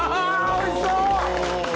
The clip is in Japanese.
おいしそう！